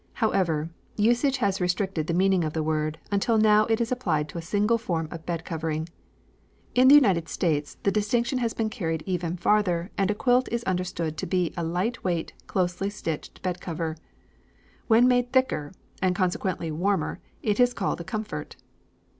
However, usage has restricted the meaning of the word until now it is applied to a single form of bed covering. In the United States the distinction has been carried even farther and a quilt is understood to be a light weight, closely stitched bedcover. When made thicker, and consequently warmer, it is called a "comfort."